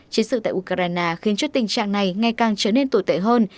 chiến sự tại ukraine khiến chốt tình trạng này ngay càng trở nên tồi tệ hơn